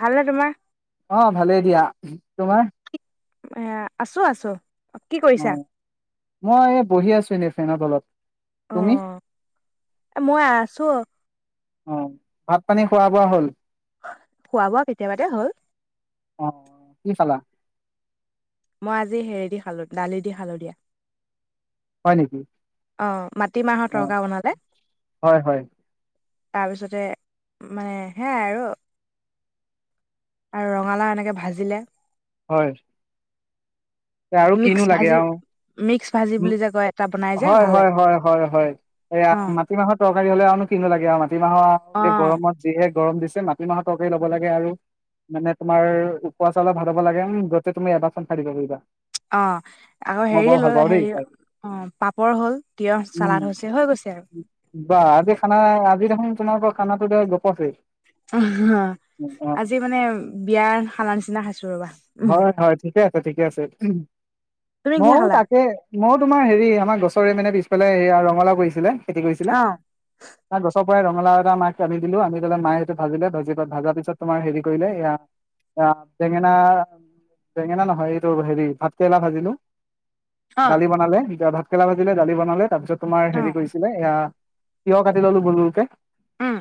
ভালনে তোমাৰ? অ ভালেই দিয়া, তোমাৰ? এয়া আছোঁ আছোঁ। কি অ কৰিছা? মই বহি আছোঁ, এনেই ফেনৰ তলত। অ' তুমি মই বহি আছোঁ এনেই ফেনৰ তলত‌। অ ভাত পানী খোৱা বোৱা হ'ল? খোৱা বোৱা কেতিয়াবাতে হ'ল। অ কি খালা? মই আজি হেৰি দি, খালোঁ দালি দি খালোঁ দিয়া। হয় নেকি অ মাটিমাহৰ অ তৰকা বনালে। হয় হয় তাৰপিছতে মানে সেয়াই আৰু। আৰু ৰঙালাও এনেকে ভাজিলে। হয়। আৰু মিক্স কিনো লাগে ভাজি আৰু, মিক্স ভাজি বুলি যে কয় এটা বনাই যে হয় ভাল হয় লাগে। হয় হয় হয় এয়া অ' মাটিমাহত তৰকা হ'লেনো আৰু নো কি নো লাগে আৰু? [unintelligible] আৰু অ' গৰমত যিহে গৰম দিছে মাটিমাহত তৰকাৰী ল'ব লাগে আৰু মানে তোমাৰ ওখোৰা চাউলৰ ভাত হ'ব লাগে আৰু [unintelligible] অ আকৌ হেৰি লৈ হেৰি অ খাই পাপৰ হ'ল, তিঁয়হ উম চালাদ হৈছে, হৈ গৈছে আৰু। তোমি দেখোন তোমালোকৰ খানাটো [unintelligible] আছে অ আজি মানে বিয়াৰ খানা নিচিনা খাইছো ৰ'বা। হয় হয় ঠিক। ঠিকে আছে, ঠিকে আছে। তুমি কিহে মও খালা? তাকেই। মই তোমাৰ হেৰি আমাৰ গছৰে মানে পিছফালে ৰঙালাও কৰিছিলে খেতি কৰিছিলে অ' ত গছত সেয়াই ৰঙালাও এটা মাক আনি দিলো আনিপেলাই মায়ে সেটো ভাজিলে ভাজি ভাজা পিছত তোমাৰ হেৰি কৰিলে এইয়া আআ বেঙেনা বেঙেনা নহয় এইটো হেৰি ভাতকৰেলা ভাজিলো অ'। দালি বনালে হিগা ভাত ৰেলা ভাজিলে দালি বনালে তাপিছত তোমাৰ অ হেৰি কৰিছিলে এয়া তিয়হ কাটি ললো গুল গুলকে উম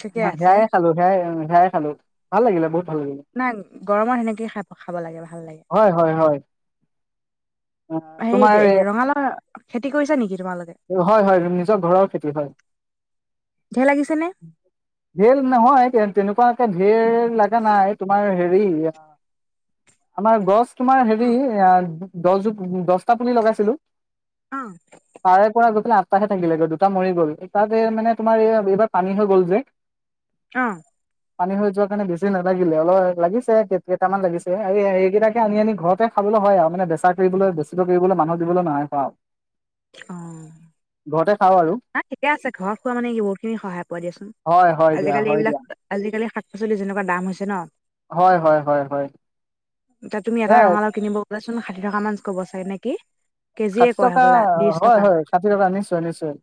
ঠিকে আছে সেয়াই খালো সেয়াই উম সেয়াই খালো ভাল লাগিলে বহুত ভাল লাগিলে নাই গৰমত সেনেকেই খাব খাব লাগে ভাল লাগে অহ হেৰি তোমাৰ ৰঙালাও খেতি কৰিছা নেকি তোমালোকে হয় হয় নিজৰ ঘৰৰ খেতি হয় ঢেৰ লাগিছে নে হেই নহয় তেন তেনেকুৱা এ ঢেৰৰৰ লাগে গা নাই তোমাৰ হেৰি আমাৰ গছ তোমাৰ হেৰি এ দহজোপ দছটা পুলি লগাইছিলো অ পাৰে ক গ আঠটাহে থাকিলে গৈ দুটা মৰি গ'ল তাত মানে তোমাৰ এই এইবাৰ পানী হৈ গ'ল যে অহ পানী হৈ যোৱাৰ কাৰণে বেছ ছি নালাগিলে অলপ লাগিছে কেই কেইটামান লাগিছে এই এইকেইটাকে আনি আনি ঘৰতে খাবলৈ হয় আৰু মানে বেচা কৰিবলৈ বেচিব কৰিবলৈ মানুহক দিবলৈ নহয় খোৱা অহ ঘৰতে খাওঁ আৰু না ঠিকে আছে ঘৰত খোৱা মানে বহু খিনি সহায় পোৱা দিয়াচোন হয় হয় দিয়া আজিকালি হয় এইবিলাক দিয়া আজিকালি শাক পাচলি যেনেকুৱা দাম হৈছে ন হয় হয় হয় হয় হয় কাচোন ষাঠি টকা মানছ ক'ব চাগে নেকি ষাঠি টকা হয় হয় ষাঠি টকা নিশ্চয় নিশ্চয়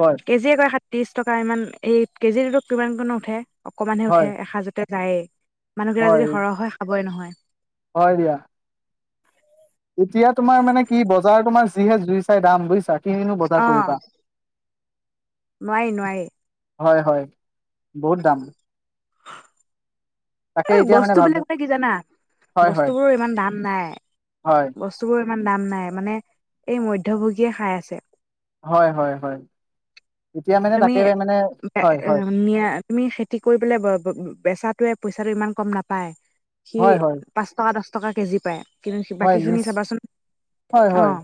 হয় কেজিয়ে কয় সাত ত্ৰিশ টকা ইমান এক কেজি কিমান কণ ওঁঠে অকমান হে উঠে হয় এসাঁজতে প্ৰায় মানুহবিলাক যদি হয় সৰহ হয় খাবই নহয় উ [unintelligible] হয় দিয়া এতিয়া তোমাৰ মানে কি বজাৰ তোমাৰ যিহে জুই চাই দাম বুইছা। কিনো বজাৰ অ কৰিবা। নোৱাৰি - নোৱাৰি। হয় - হয়। বহুত দাম। তাকে এই এতিয়া মানে ভাব বস্তুবিলাকে কি জানা? হয় হয় বস্তুবোৰৰ ইমান দাম নাই। হয় বস্তুবোৰ ইমান দাম নাই । মানে এই মধ্যভোগীয়ে খাই আছে। হয় - হয় - হয়। এতিয়া মানে তুমি তাকে মানে হয় হয় নিয়া- তুমি খেতি কৰি পেলাই ব- ব- বেচাত টোৱে পইচাটো ইমান কম নাপায়। সি হয় হয় পাঁচ টকা দশ টকা কেজি পায়। কিন্তু হয় বাকীখিনি নিচ চাবাচোন । হয় হয় অ'।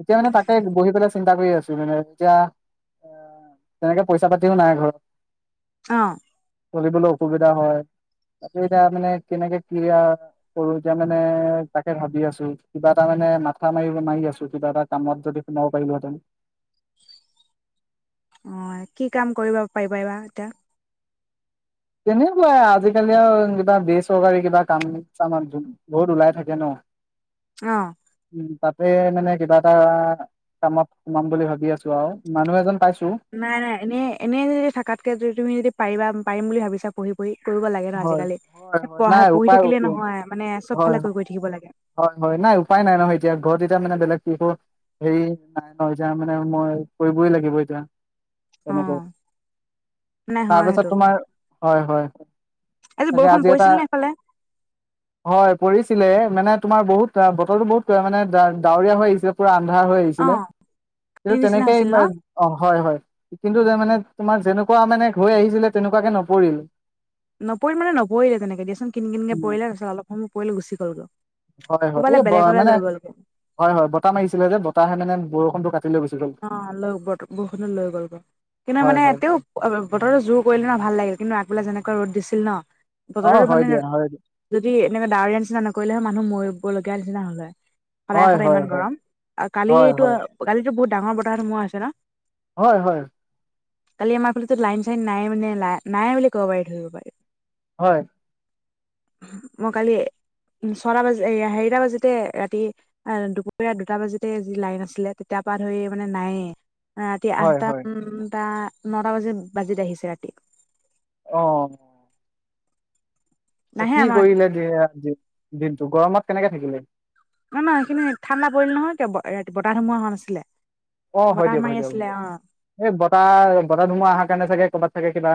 এতিয়া মানে তাকে বহি পেলাই চিন্তা কৰি আছোঁ মানে । এতিয়া অ' তেনেকে পইচাপাতিও নাই ঘৰত। অ'। চলিবলৈ অসুবিধা হয় । তাকে এতিয়া মানে কেনেকে কিআ কৰোঁ, এতিয়া মানে তাকে ভাবি আছোঁ । কিবা এটা মানে মাথা মাৰিব- মাৰি আছোঁ। কিবা এটা কামত যদি সোমাব পাৰিলোহেঁতেন। অ' এ কি কাম কৰিব পাৰিবাএবা এতিয়া? তেনেকুৱাই আজিকালি আৰু কিবা বেচৰকাৰী কিবা কাম-চাম [unintelligible] বহুত ওলাই থাকে ন'। অ'। তাতে মানে কিবা এটা কামত সোমাম বুলি ভাবি আছোঁ আৰু । মানুহ এজন পাইছোঁ নাই - নাই । এনে- এনেই যদি থাকাতকে, যদি তুমি যদি পাৰিবা পাৰিম বুলি ভাবিছা পঢ়ি - পঢ়ি কৰিব লাগে ন হয় আজিকালি । হয় - হয় । পঢ়া নাই, পঢ়ি উপায়। থাকিলে নহয় মানে চব [inaudible] ফালে হয় কৰি -হয় কৰি থাকিব লাগে । হয় - হয় নাই। উপায় নাই নহয় এতিয়া ঘৰত এতিয়া মানে বেলেগ কি কৰোঁ। হেৰি নাই ন', যে মানে মই কৰিবই লাগিব এতিয়া। অ তেনেক । নাই হয় তাৰপাছত সেইটো তোমাৰ, হয় - হয়। তাকে বৰষুণ আজি পৰিছিল নে এটা- এইফালে? হয় পৰিছিলে মানে তোমাৰ বহুত অ'- বতৰটো বহুত বেয়া মানে, ডা- ডাৱৰীয়া হৈ আহিছে পুৰা আন্ধাৰ হৈ আহিছিলে। অ', কিন্তু কালি নিচিনা তেনেকেই, হৈছিল ন? [unintelligible] অ' হয় - হয় । কিন্তু যে মানে তোমাৰ যেনেকুৱা মানে হৈ আহিছিলে, তেনেকুৱাকে নপৰিল। নপৰিল মানে নপৰিলে তেনেকে দিয়াচোন। কিনকিনকে পৰিলে । তাৰপিছত অলপ সময় পৰিলে, গুচি [unintelligible] হয় - হয় । ক'বালে এই ব- বেলেগলে মানে, লৈ গ'লগৈ। হয় - হয়। বতাহ মাৰিছিলে যে, বতাহে মানে বৰ ফোনটো কাত অ লৈ বৰষুণত লৈ গল কিন্তু হয় মানে হয় তে বতৰটো জোৰ কৰিলে ন ভাল লাগিল কিন্তু আগবেলা যেনেকৈ ৰ'দ দিছিল ন অ বতৰটো হয় মানে দিয়া হয় দিয়া যদি এনেকে ডাৱৰীয়া নিচিনা নকৰিলেে মান মৰিব লগগীয়ািছে নহলে সদায় হয় -সদায় হয় ইমান হয় গৰম আৰু হয় কালি- হয় কালি বহুত ডাঙৰ বতাহ সোমোৱা আছে ন হয়- হয় কালি আমাৰ ফালে লাইন চাইন নাই মানে নাই বুলি কব পাৰি ধৰিব পাৰি। হয় মই কালি ছয়টা বাজি হেৰিটা বাজোতে ৰাতি দুপৰীয়া দুটা বাজিতে যি লাইন আছিলে তেতিয়াৰ পৰা ধৰি মানে নায়েই। ৰাতি হয় আঠতা হয় নটা নটা বাজি বাজিত আহিছে ৰাতি অ নাহে কি আমাৰ কৰিলে দিয় দিনটো গৰমত কেনেকে থাকিলে নহ নহ সেইখিনি ঠাণ্ডা পৰিল নহয় কে ৰাতি বতাহ ধুোমোহা হোৱা নাছিলে অ হয় বতাহ দিয়ক মাৰি হয় দিয়ক হয় আছিলে দিয়ক অ এই বতাহ বতাহ ধুমুহা অহাৰ কাৰণে চাগে কৰবাত। থাকে কিবা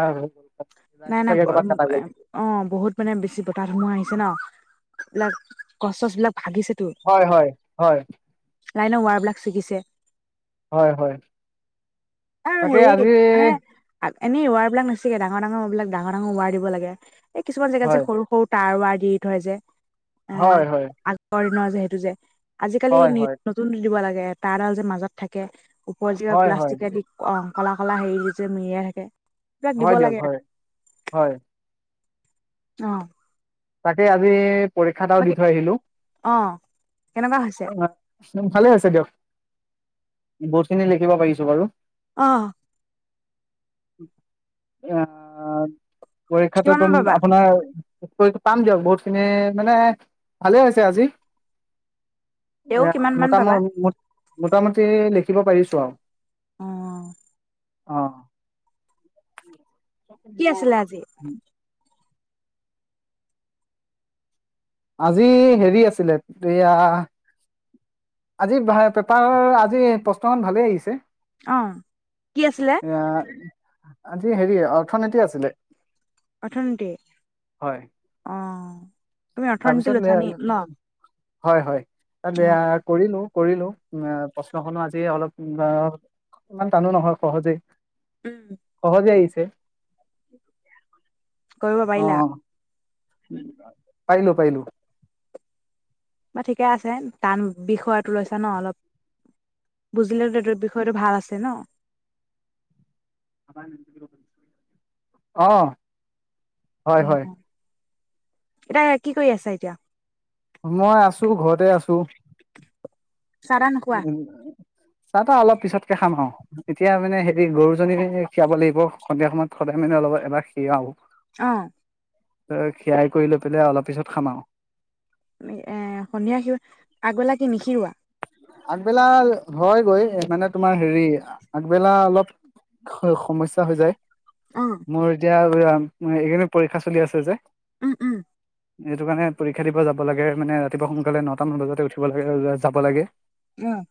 নাই লাইনটো নাই চাগে ক'ৰবাত কটা গ'ল অ বহুত মানে বেছি বতাহ ধুমুহা আহিছে ন এইবিলাক গছ চছবিলাক হয় হয় হয় লাইনৰ ৱাৰবিলাক ছিগিছে হয় হয় অ তাকে হেৰি মানে আজি এনে ৱাৰবিলাক নিচিঙে ডাঙৰ ডাঙৰ এইবিলাক ডাঙৰ ডঙৰ ৱাৰ দিব লাগে। এ কিছুমান জেগাত যে হয়, সৰু সৰু তাৰ ৱাৰ দি থয় যে অ আ হয়, হয়, আপোনাৰ যে সেইেতটো যে আজিকালি হয়, হয়, নতুন দিব লাগে তাৰডাল যে মাজত থাকে উপ যোৱা হয়, হয়, প্লাষ্টিকে আদি অ কলা কলা হেৰি যে মেৰিয়াই থাকে সেইবিলাক দিব হয় দিয়ক লাগে হয় হয় অ তাকে আমি পৰীক্ষা এটাও দি বাকী থৈ আহিলোঁ অ কেনেকুৱা হৈছে ভালে হৈছে দিয়ক বহুত খিনি লিখিব পাৰিছোঁ বাৰু অ আহ পৰীক্ষাটো কিমান মান তম পাবা আপোনাৰ পাম দিয়ক বহুত খিনি মানে ভালে হৈছে আজি এ তেও কিমান মান মোটাম পাবা মোটামুটি লিখিব পাৰিছো আৰু আহঁ অ কি চে আছিলে আজি [unintelligible] আজি হেৰি আছিলে এয়া আজি পেপাৰ আজি প্ৰশ্ন ম ভালে আহিছে অ কি আছিলে? এ আজি হেৰি অৰ্থনীতি আছিলে। অৰ্থনীতি হয় অ তুমি অৰ্থনীতি লৈছা নেকি তাৰপিছত ন হয় হয় আলে আ কৰিলোঁ কৰিলো উ প্ৰশ্নখনো আজি অলপ ইমান টানো নহয় সহজেই উম অ যায়ছ [unintelligible] তে কৰিব পাৰিলা পাৰিলো পাৰিলো বা ঠিকে আছে টান বিষয়টো লৈছা ন অলপ বুজিলে ত তৰ বিষয়টো ভাল আছে ন আহ হয় হয় অ এতিয়া কি কৰি আছা এতিয়া মই আছো ঘৰতে আছো। চাহ তাহ নোখোৱা চাহ তা অলপ পিছত খাম আৰু এতিয়া মানে হেৰি গৰুজনী খীৰাব লাগিব সন্ধিয়া সময়ত সদায় মানে অলপ এবাৰ খি আহ খিৰাই কৰি লৈ পেলাই অলপ পিছত খামাও এ সন্ধিয়া সি আগবেলা কি নিশিৰুৱা আগবেলা হয়গৈ মানে তোমাৰ হেৰি আগবেলা অলপ হৈ সমস্যা হৈ যাই অ মোৰ এতিয়া এইকেইদিন পৰীক্ষা চলি আছে যে উম উম সেইটো কাৰণে পৰীক্ষা দিব যাব লাগে মানে ৰাতিপুৱা সোনকালে নটা মান বজা উঠিব লাগে যাব লাগে উম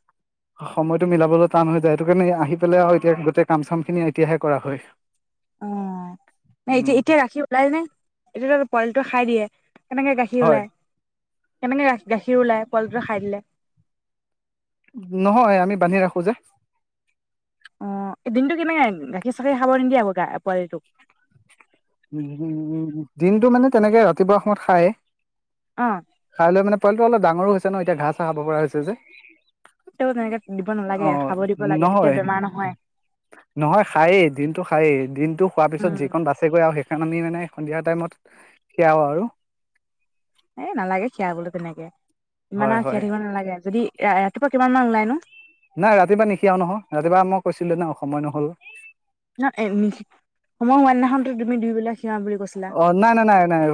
সময়তটো মিলাবলৈ টান হৈ যায় সেইটো কাৰণে আহি পেলাই আৰু এতিয়া গোটেই কাম চাম খিনি এতিয়াহে কৰা হয় অ ন এতিয়া উম এতিয়া গাখীৰ ওলাই নে এতিয়া তাত পোৱালিটো খাই দিয়ে কেনেকে গাখীৰ হয় ওলাই কেনেকে গাখীৰ ওলাই পোৱালি দুটা খাই দিলে নহয় আমি বান্ধি ৰাখো যে অ এই দিনটো কেনেকে গাখীৰ চাখীৰ খাব নিদিয়ে হ' গা পোৱালিটোক উ উম উম দিনটো মানে তেনেকে ৰাতিপুৱা সময়ত খায় অ খাই লৈ মানে পোৱালিটো অলপ ডাঙৰো হৈছে ন এতিয়া ঘাঁহ চাহ খাব পৰা হৈছে যে তেওঁ তেনেকে দিব নালাগে অ খাব দিব লাগে তেতিয়া নহয় বেমাৰ নহয় নহয় খায়েই দিনটো খায়েই দিনটো খোৱাৰ পিছত উম যিখন সেইখন আমি মানে সন্ধিয়া টাইমত খিয়াও আৰু এই নালাগে খিয়াবলে তেনেকে ইমান হয় আৰু খাই হয় থাকিব নালাগে যদি ৰাতিপুৱা কিমান মান উলাই নো নাই ৰাতিপুৱা নিখিয়াও নহয় ৰাতিপুৱা মই কৈছিলো ন সময় নহল না সময় হোৱা দিনাখনো তুমি দুইবেলাক অ নাই নাই নাই নাই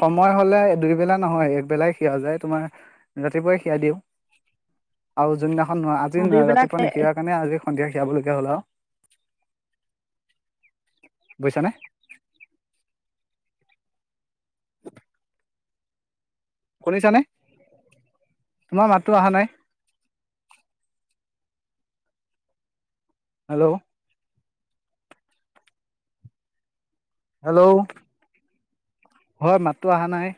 সময় হলে দুই বেলা নহয় একবেলাই খিয়া যায় তোমাৰ ৰাতিপুৱাই সিয়া দিও আৰু যোনদিনা আজি অ দুই বেলা ৰাতিপুৱা নিশখিয়াৰ কাৰণ আজি সন্ধিয়া খিয়া বুলি কলে হ'ল আৰু বুজিছানে [unintelligible] শুনিছানে তোমাৰ মাতটো অহা নাই হেল্ল' হেল্ল' হয় মাতো অহা নাই